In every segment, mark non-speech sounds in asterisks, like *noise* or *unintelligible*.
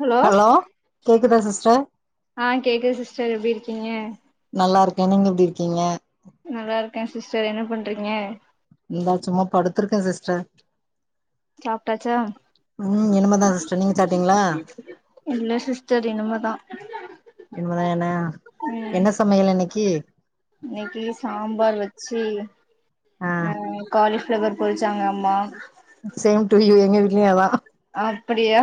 Hello கேக்குதா sister ஆ கேக்குது சிஸ்டர் எப்டி இருக்கீங்க நல்லாயிருக்கே நீங்க எப்படி இருக்கீங்க நல்லா இருக்கே சிஸ்டர் என்ன பண்றீங்க இந்த சும்மா படுத்திருக்க சிஸ்டர் சாப்ட்டாச்சா ம் இனிமதா சிஸ்டர் நீங்க சாப்டீங்களா டர் இனிமதா இனிமதா என்ண என்ன சமையல் இன்னைக்கி இன்னைக்கி சாம்பார் வச்சி ஆ அ காளிஃப் ஃப்ளவர் பொரிச்சாங்க அம்மா சேம் டு யு எங்க விட்டுளையு அதா அப்டியா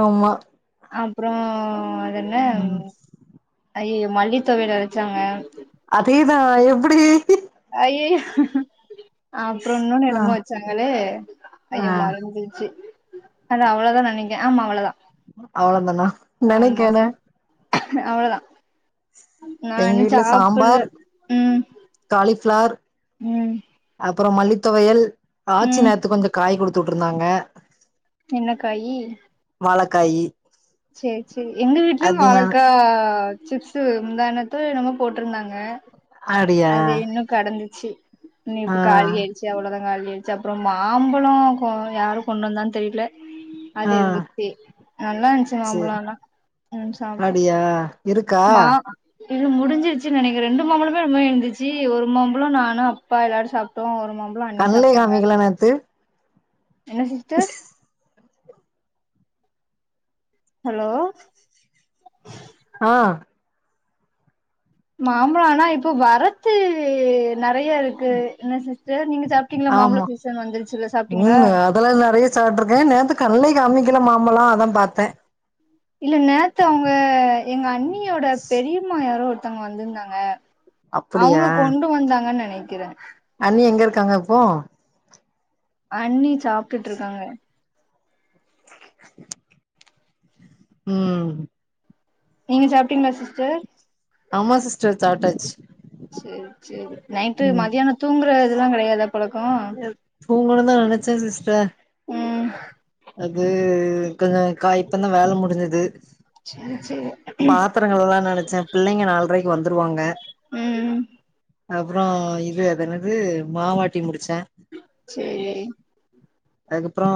ஆமா அப்புறோ அதுன ம் ஐய மல்லித்தோவையல் அரச்சாங்க அதேதா எப்டி அப்ரோ இன்னோனு ஆ என்னமோ வச்சாங்களே ஐயோ ஆ மறந்துருச்சு அது அவ்வளோதா நாங்க இங்க ஆமா அவ்ளோதான் அவ்ளோதான நனக்கேன அவ்ளதான் நா எங்க இன்னு வீட்ல சாம்பார் சாப்புல உம் உம் அப்புறம் மல்லித்துவையல் ஆட்சி நேரத்துக்கு கொஞ்சோ காய் குடுத்து விட்டுருந்தாங்க என்னக்காயி வாழக்காயி செர் செர் எங்க வீடலயு அது நா வாழக்கா சிப்ஸ் முந்தானேத்தோ என்னமோ போட்டுருந்தாங்க அப்டியா அது இன்னு கடந்துச்சு இனியு ஆ இப்ப காலி ஆயிடுச்ச அவ்வளோதா ளிடிச்சு அப்ரோ மாம்பழம் கொ யாரு கொண்டு வந்தான்னு தெரில அது ஆ இருந்துச்சு நல்லா இன்ச்சு சேரி மாம்பலம்ல்லாம் உம் சாப்ட்டோ அப்டியா இருக்கா மா இது முடிஞ்சிருச்சுனு நெனகிர ரெண்டு மாம்பழமே ரம இருந்துச்சு ஒரு மாம்பழம் நானும் அப்பா எல்லாரு சாப்பிட்டோம் ஒரு மாம்பம் கண்ணலே காமிக்கலா நேத்து என்ன சிஸ்டர் ஹலோ ஆ மாம்பழம் ஆனா இப்ப வரத்து நறைய இருக்கு என்ன சிஸ்டர் நீங்க சாப்ட்டீங்களா மாம்பழோ ஆமா சீசன் வந்துருச்சுல்ல சாப்ட்டீங்களா உம் அதெல்லா நறைய சப்டருக்கேன் நேத்து கண்ணல அம்மிக்கல மாம்பலோ அதான் பாத்த இல்ல நேத்து அவங்க எங்க அன்னியோட பெரியம்மா யாரோ ஒருத்தவங்க வந்திருந்தாங்க அப்டியா அவங்க கொண்டு வந்தாங்கன்னு நனக்கிற அண்ணி எங்க இருக்காங்க இப்போ அண்ணி சாப்ட்டுட்டுருக்காங்க *inaudible* உம் நீங்க சாப்ட்டீங்களா சிஸ்டர் ஆமா சிஸ்டர் சாட்டாஜ் செர் செர் நைட்டு மதியானம் தூங்குறதெல்லாம் கிடையாதா தூங்கனுதா நனச்ச சிஸ்டர் ம் அது கொஞ்சோ கா இப்ப தா வேல முடிஞ்சது சேரி சேரி பாத்திர கலுவலானு நனச்ச பிள்ளைங்க நால்ரைக்கு வந்துருவாங்க உம் அப்ரோ இது அதனது மாவட்டி முடிச் செரி அதுக்கப்ரோ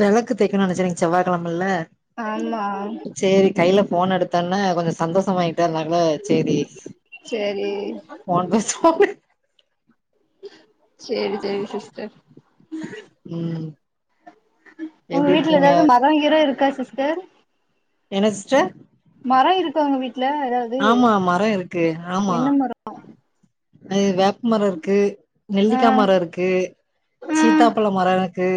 விளக்கு தேக்கணுனு நனச்ச இன்னகு செவ்வ கழமல்ல ஆமா செரி கையில போன் எடுத்தோன்னா கொஞ்சோ சந்தோஷ ஆய் ங்கனால செரி சேரி ஃபோன் பெசுவோ அப்டினு செரி செரி சிஸ்டர் உம் உங்க வீட்டுல ஏதாவது மரோங்கீரோ இருக்கா சிஸ்டர் என்ன சிஸ்டர் மரம் இருக்காங்க வீட் ஆமா மரோ இருக்கு ஆமா என்ன மரோ அ வேப்பு மரம் இருக்கு ஆ நெல்லிக்காமரம் இருக்கு ஆ சீத்தாப்பழ மரம் இரு க்கு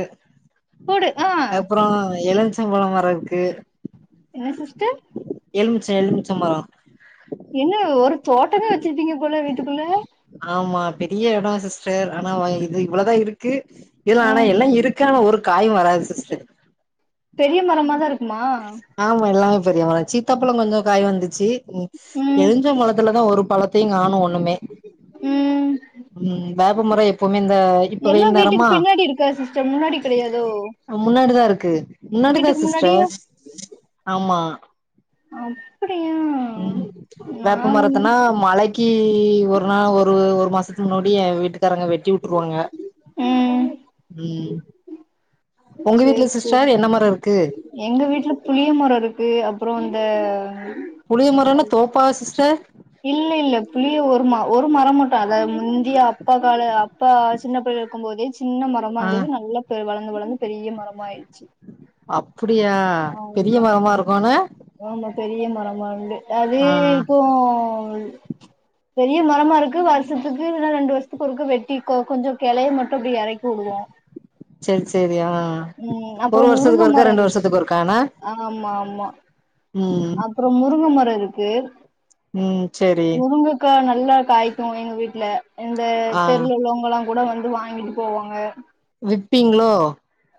போடு ஆ அப்ரோ இளஞச்சம்பழம் மரம் இருக்கு என்ன சிஸ்டர் எலுமிச்ச எலுமிச்சம்பழம் என்ன ஒரு தோட்டமே வச்சிருப்பீங்க போல வீட்டுக்குள்ள ஆமா பெரிய எடோ சிஸ்டர் ஆனா இது இவ்வளோதா இருக்கு இதுல்ல ஆனா ம் எல்லா இருக்கு ஆனா ஒரு காயு வராது சிஸ்டர் பெரிய மரமாதா இருக்குமா ஆமா எல்லாமே பெரியமரோ சீத்தாப்பழோ கொஞ்சோ காய் வந்துச்சு ம் எலுஞ்ச மொலத்துல தா ஒரு ஒன்னுத்தயு காணோ ஒண்ணுமே ம் உம் வேப்ப மரோ எப்போமே எல்லா வீட்டுக்கு பின்னாடி இருக்கா சிஸ்டர் முன்னாடி கெடயாதோ முன்னாடிதா இருக்கு முன்னாடிதா முன்னாடியா சிஸ்டர் ம்மா *inaudible* உம் நா வேப்ப ஒன்னு மரத்தன்னா மழைக்கு ஒரு நாள் ஒரு ஒரு மாச முடிய வீட்டுக்காரங்க வெட்டி உட்டுருவாங்க ம் உம் சேரி சரி என்ன மரோ இருக்கு எங்க வீட்ல புளிய மரோ இருக்கு அப்றோ அந்த புளிய மரோனா தோப்பா சிஸ்டர் இல்ல இல்ல புளிய ஒரு ம ஒரு மரோ மட்டு அதா முந்திய அப்பா கால அப்பா சின்ன பிள்ளல்ல இருக்கு போதே சின்ன மரமா ஆ இருந்தது நல்லா பெ வளந்து வளந்து பெரிய மரமா ஆயிருச்சு அப்டியா பெரிய மரமா இருக்கும்ன்னு ஆமா பெரிய மரமா உண்டு அது ஆ இப்போ பெரிய மரமா இருக்கு வருஷத்துக்கு இல்ல ரெண்டு வருஷத்துக்கு ஒருக்க வெட்டி கொ கொஞ்ச கிளைய மட்டு அப்டி எறக் *unintelligible* செரி செரி ஆ உம் அப்பறோ ஒரு முருங்க வருஷத்துக்கு ஒருக்கா மரோ ரெண்டு இருக்கு வருஷத்துக்கு ஒருக்கானா ஆமா ஆமா ம் அப்றோ முருங்க மரோ இருக்கு உம் சரி முருங்கக்கா நல்லா காய்க்கு எங்க வீட்ல எங்க ஆ தெருல உள்ளவங்கல்லா கூட வந்து வாங்கிட்டு போவாங்க விப்பீங்ளோ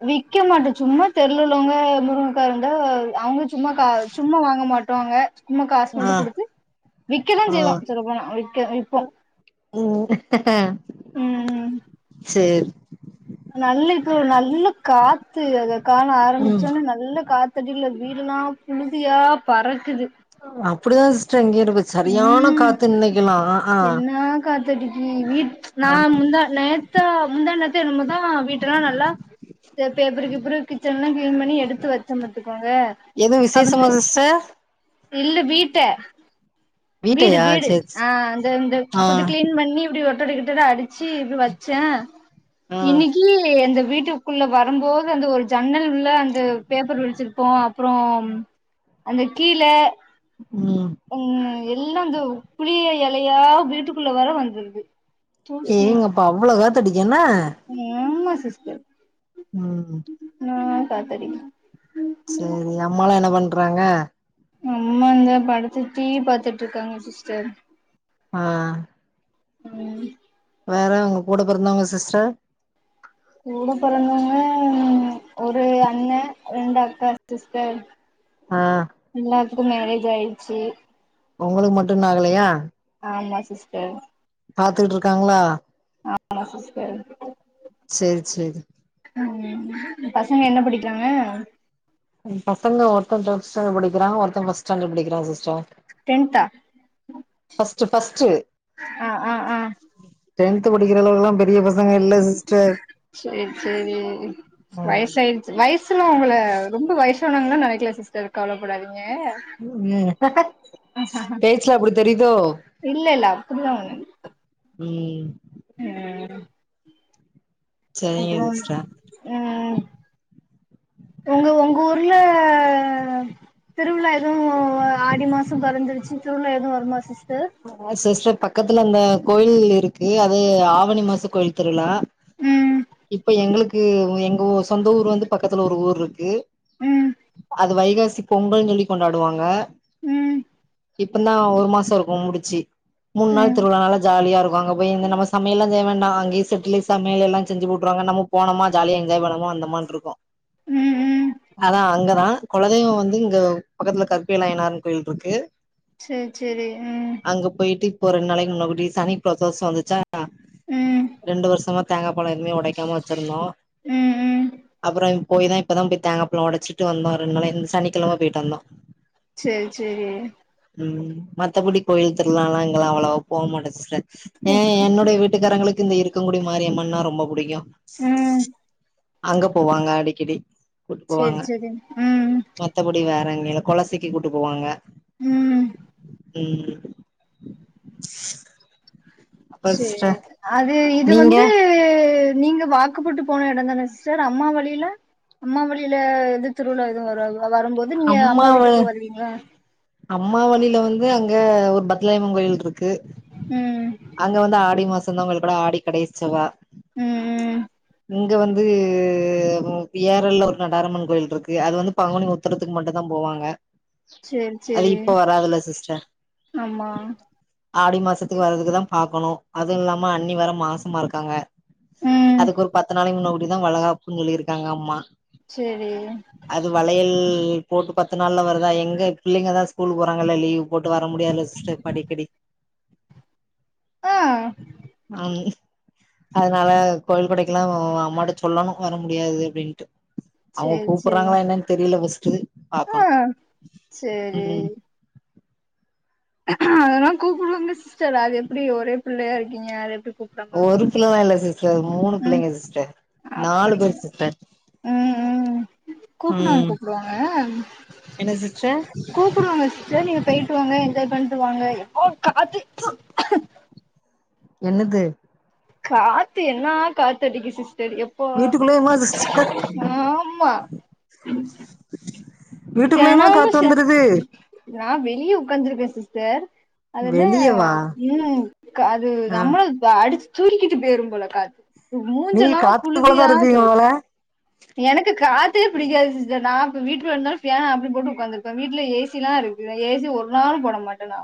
விக்க மாட்ட சும்மா தெருல்ல உள்ளவங்க முருங்கக்கா இருந்தா அவுங்க சும்மா கா சும்மா வாங்க மாட்டாங்க சும்மா காசு ஆ மட்டு குடுத்து விக்கதா செய்வோ சொல்லப்போனா விக்க விப்போ உம் ம் சேரி நல்ல இப்ப நல்ல காத்து அத காண ம் ஆரம்பிச்சோனே நல்ல காத்தடில்ல வீடுல்லா புழுதியா பறக்குது உட்டா இங்கேருப்ப சரியான ம் காத்து இன்னிக்கலா ஆஹ் காத்து அடிக்குது வீட் நா முந்தா நேத்தா முந்தா நேத்து என்னமோ தா வீட்டல்லா நல்லா பேப்பருகீப்பரு கிச்சன் எல்லா கிளீன் பண்ணி எடுத்து வச்சமட்டுக்கு பாங்க எதுவு விசேஷமா அவங்க சிஸ்டர் இல்ல வீட்ட வீடு வீட்டையா வீடு சேரி ஆஹ் அந்த இந்த ஆ கொஞ்ச கிளீன் பண்ணி இப்டி வ ஒட்டட கிட்டட அடிச்சி இது வச்ச ஆ இன்னைக்கு அந்த வீட்டுக்குள்ள வரும்போது அந்த ஒரு ஜன்னல் உள்ள அந்த பேப்பர் விரிச்சிருப்போ அப்பறோ அந்த கீழ உம் ம் எல்லா அந்த புளிய எலையா வீட்டுக்குள்ள வேற வந்துருது தூசி ஏங்கப்பா அவ்ளோ காத்தடிக் என்ன *unintelligible* உம் ஆஹ் காத்தடிக்குது சரி அம்மாலா என்ன பண்றாங்க அம்மா இந்த படுத்து டிவி பாத்துட்டு இருக்காங்க சிஸ்டர் ஆஹ் உம் வேற உங்க கூட பொறந்தவங்க சிஸ்டர் கூட பெறந்தவுங்க ஒரு அண்ண ரெண்டு அக்கா சிஸ்டர் ஆ க்கும் மேரேஜ் ஆயிடுச்சி உங்ளுக்கு மட்டு இன்னு ஆகலையா ஆமா சிஸ்டர் பாத்துட்ருக்காங்ளா ஆமா சிஸ்டர் சேரி சேரி ம் பசங்க என்ன படிக்றாங்க பசங்க ஒருத்த தெஸ் ஸ்டான்டடு படிக்கிறா ஒருத்த பஸ் ஸ்டாண்டடு படிக்கிறா சிஸ்டர் டென்த்தா ஃபர்ஸ்ட் ஃபர்ஸ்ட் ஆ ஆ ஆ டென்த்து படிக்கிற அளவுகுலா பெரிய பசங்க இல்ல சிஸ்டர் சேரி சேரி ம் வயசாயிடுச்சு வயசுலா உங்கள ரொம்ப வயசனாங்களா நெனைக்ல சிஸ்டர் கவலப்படாதிங் உம் பேச்சில அப்டி தெரிதோ இல்ல இல்ல உம் உம் சரிங்க அப்றம் சிஸ்டர் உம் ஒங்க ஒங்கூர்ல அ திருவிழா எதுவு ஆடி மாசம் பொறந்துருச்சி திருவிழா எதுவு வருமா சிஸ் ஆ சிஸ்டர் பக்கத்துல அந்த கோயில் இருக்கு அது ஆவணி மாச கோயில் திருவிழா ம் இப்ப எங்களுக்கு எங்க ஊ சொந்த ஊர் வந்து பக்கத்துல ஒரு ஊர்ருக்கு ம் அது வைகாசி பொங்கல் சொல்லி கொண்டாடுவாங்க உம் இப்பந்தா ஒரு மாச இருக்கு முடிச்சி மூன்னாள் ம் திருவிழா நாள ஜாலியாருப்பாங்க போய் இந்த நம்ம சமையல்லா செய்ய வேண்டா அங்கியே செட்லே சமையல் எல்லா செஞ்சு போட் ட்ருவாங்க நம்ம போனமா ஜாலியா என்ஜாய் பண்ணமா வந்தமான்ட்ருக்கு ம் ம் அதா அங்கதா கொலதெய்வ வந்து இங்க பக்கத்ல கருப்பைலையனார் கோயில்ருக்கு சேரி சேரி உம் ஒரு ரெண் நாளைக்கு முன்ன கூட்டி சனிப் பிரதோஷ வந்துச்சா ம் ரெண்டு வருஷமா தேங்காப் பழ எதுமே ஒடைக்காம வச்சிருந்தோ ம் ம் அப்ற போய்தா இப்பதாப் போய் தேங்காப்பழ ஒடச்சுட்டு வந்தோ ரெண் நாளத் இந்த சனிக்கெழம போயிட்டு வந்தோ சேரி சேரி உம் மத்தபடி கோயில் த்திருவிழாலா இங்கலா அவ்வளவா போமாட்டோ சிஸ்டர் ஏ இப் என்னுடைய வீட்டுக்காரங்ளுக்கு இந்த இருக்கங்கூடி மாரியம்மன்னா ரொம்ப புடிக்கு ம் அங்க போவாங்க அடிக்கடி கூட்டு சேரி போவாங்க சேரி ம் மத்தபடி வேறெங்கில கொளசிக்கு கூட்டு போவாங்க உம் உம் சேரி அது இது நீங்க வந்து நீங்க வாக்குப்பட்டு போன எடந்தான சிஸ்டர் அம்மா வழில அம்மா வழில எந்தத் திருவிழா எதுவு வராதோ வரும்போது நீங்க அம்மா வீட்டுக்கு வருவீங்ளா வே அங்க ஒரு பத்லாயம்ம கோயில்ருக்கு ம் அங்க வந்து ஆடி மாசந்தா உங்களுக்கு கூட ஆடி கடை செவ்வா ம் ம் இங்க வந் து கெவு பி ஆர் எல்ல ஒரு நடாரம்மன் கோயில்ருக்கு அது வந்து பங்குனி உத்தறதுக்கு மட்டுந்தா போவாங்க சேரி அது சேரி இப்ப வராதுல சிஸ்டர் ஆமா ஆடி மாசத்துக்கு வரதுக்குதா பாக்கணு அது இல்லாம அண்ணி வேற மாசமா இருக்காங்க ம் அதுக்கு ஒரு பத்து நாளைய முன்ன கூட்டிதா வளகாப்புன் சொல்லியிருக்காங்க அம்மா சேரி அது வளையல் ல் போட்டு பத்து நாள்ல வருதா எங்க பிள்ளைங்க தா ஸ்கூலுக் போறாங்கள லீவ் போட்டு வர முடியாத்ல சிஸ்டர் அடிக்கடி ஆ ஆங் அதனால கோய்ல் கொடைக்கில்லா அம்மாட்ட சொல்லனு வர முடியாது அப்டின்ட்டு அவுங் சேரி சேரி கூப்புற்றாங்களா என்னன் தெரியில ஃபஸ்டு ஆ பாக்கணு ம் ம் அதல்லா கூப்புட்வாங்க சிஸ்டர் அதெப்டி ஒரே பிள்ளையா இருக்கீங்க அது எப்பி ஒரு பிள்ளலா இல்ல சிஸ் டர் மூணு ம் பிள்ளைங்க சிஸ்டர் நாலு பேரு அப்டிங்களா சிஸ்டர் கூப்புன்வாங்க ம் கூப்புடுவாங்க என்ன சிஸ்டர் கூப்புடுவாங்க சிஸ்டர் நீங்க பெய்ட்டுவாங்க என்ஜாய் பன்ட்டு வாங்க எப்போவ் காத்து என்னது காத்து என்னா காத்தடிக்கு சிஸ் செரி எப்போ வீட்டுக்குள்ளேயுமா சிஸ்டர் ஆமா வீட்டுக்குள்ளயுமா தெனமு காத்து ச வந்துருது நா வெளிய உக்காந்துருப்பே சிஸ்டர் அதென்ன வெளியவா ம் க அது ஆ நம்லுதுப அடுச் சுருக்கிட்டு பேரும் போல காத்த நீங்க மூஞ்செல்லா காத்து போலதா புலுதியா இருப்பீங்க பறக் போல எனக்கு காத்தே பிடிக்காது சிஸ்டர் நா இப்ப வீட்ல இருந்தாலு ஃபேன ஆஃப் பன்னிபோட்டு உக்காந்துருப்பே வீட்ல ஏசில்லாரு ருக்கு ஏசி ஒர் நாளு போட மாட்ட நா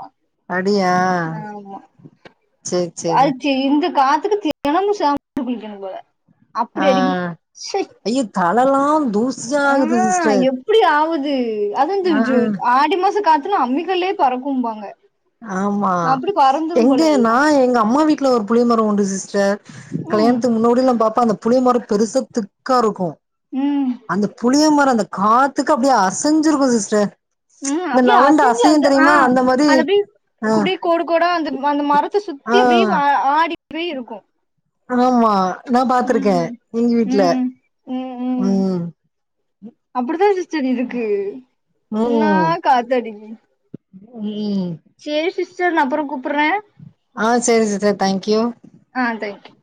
அப்டியா ஆமா சேரி சேரி வாழ்த்தி இந்து காத்துக்கு தெனமு ஷாம்ப்ல குளிக்கணு போல அப்டி அ அடிக்கி. ச்சை ஐயு தலலா தூஸாகுது சிஸ்டர் அது அதுந்து ஆ ஜு ஆ ஆடி மாச காத்துன்னா அம்மிகல்லே பறக்கும்பாங்க ஆமா அப்டி பறந்துரும் எங்க போல நா எல்லாம். எங்க அம்மா வீட்ல ஒரு புளியமரோ உண்டு சிஸ் டர் ம். கலியாணத்துக் முன்னொடில்லா பாப்ப அந்த புளியமர பெருசா திக்காருக்கு ம். அந்த புளியமர அந்த காத்துக்கு அப்டிய அசஞ்சிருக்கு சிஸ்டர் ம். இந்த அப்டியே நவண்ட அசையுந் தெரியிமா அந்த மாரி ஆ குப்டி கோடு கோட அந்த அந்த மர சி அப்டி ஆ வ அ ஆடிபோய் இருக்கு ஆமா நா பாத்திருக்கே எங்க வீட்ல ம் அப்படித்தா சிஸ்டர் இருக்கு இன்னா ம் காத்தடிக்கு *unintelligible* செரி சிஸ்டர் நா அப்புறோ கூப்புற்றே ஆ சேரி சிஸ்டர் தேங்க்யூ ஆ தேங்க்யூ